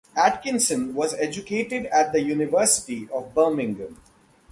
Atkinson was educated at the University of Birmingham.